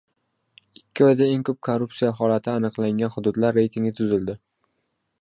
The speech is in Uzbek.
Ikki oyda eng ko‘p korrupsiya holati aniqlangan hududlar reytingi tuzildi